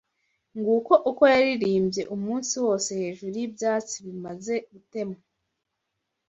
Nguko uko yaririmbye umunsi wose Hejuru y'ibyatsi bimaze gutemwa